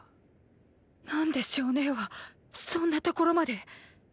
何で象姉はそんなところまで。